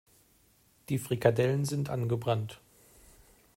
Die Frikadellen sind angebrannt.